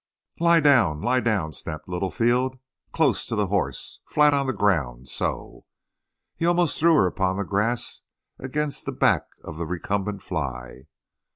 "Lie down—lie down!" snapped Littlefield. "Close to the horse—flat on the ground—so." He almost threw her upon the grass against the back of the recumbent Fly.